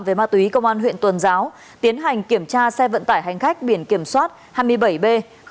về ma túy công an huyện tuần giáo tiến hành kiểm tra xe vận tải hành khách biển kiểm soát hai mươi bảy b một trăm sáu mươi ba